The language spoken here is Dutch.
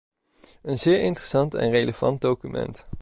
Een zeer interessant en relevant document.